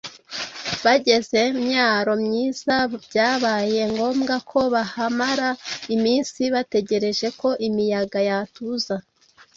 Bageze myaro-myiza, byabaye ngombwa ko bahamara iminsi bategereje ko imiyaga yatuza.